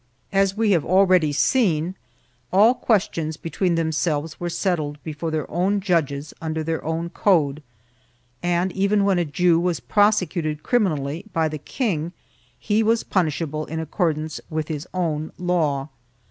1 As we have already seen, all questions between themselves were settled before their own judges under their own code, and even when a Jew was prosecuted criminally by the king, he was punishable in accordance with his own law.